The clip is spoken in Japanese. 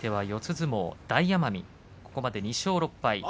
相撲の大奄美ここまで２勝６敗。